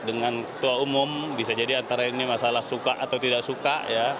dengan ketua umum bisa jadi antara ini masalah suka atau tidak suka